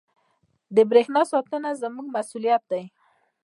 • د برېښنا ساتنه زموږ مسؤلیت دی.